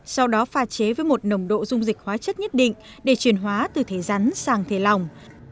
sau đó pha chế với một nồng độ dung dịch hóa chất nhất định để chuyển hóa từ thể rắn sang thể lòng